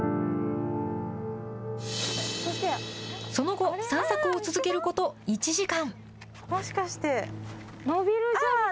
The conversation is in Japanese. その後、散策を続けること１時間。